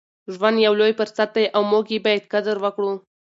ژوند یو لوی فرصت دی او موږ یې باید قدر وکړو.